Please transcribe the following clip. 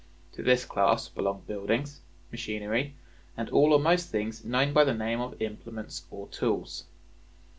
To this class belong buildings, machinery, and all or most things known by the name of implements or tools.